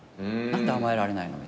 「何で甘えられないの？」